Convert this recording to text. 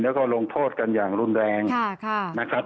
แล้วก็ลงโทษกันอย่างรุนแรงนะครับ